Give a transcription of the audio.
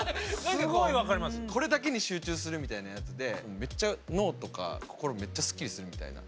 これだけに集中するみたいなやつでめっちゃ脳とか心めっちゃスッキリするみたいな。